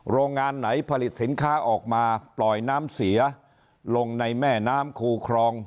โรงงานไหนผลิตสินค้าออกมาปล่อยน้ำเสียลงในแม่น้ำคูครอง